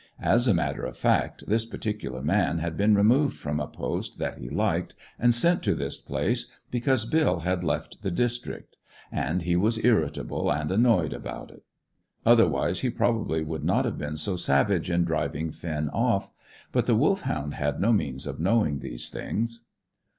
As a matter of fact, this particular man had been removed from a post that he liked and sent to this place, because Bill had left the district; and he was irritable and annoyed about it. Otherwise he probably would not have been so savage in driving Finn off. But the Wolfhound had no means of knowing these things.